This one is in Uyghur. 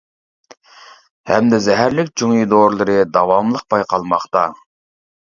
ھەمدە زەھەرلىك جۇڭيى دورىلىرى داۋاملىق بايقالماقتا.